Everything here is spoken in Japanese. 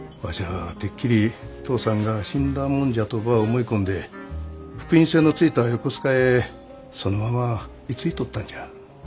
わしゃあてっきり父さんが死んだもんじゃとばあ思い込んで復員船の着いた横須賀へそのまま居ついとったんじゃ。